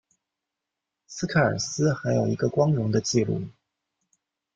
斯凯尔斯还有一个光荣的记录。